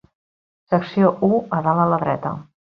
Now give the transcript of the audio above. Secció u - A dalt a la dreta.